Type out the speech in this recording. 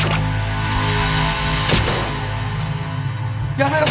やめろ。